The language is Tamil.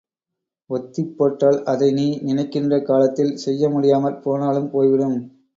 ஒத்திப்போட்டால் அதை நீ நினைக்கின்ற காலத்தில் செய்ய முடியாமற் போனாலும் போய்விடும்.